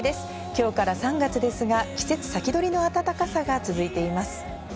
今日から３月ですが、季節先取りの暖かさが続いています。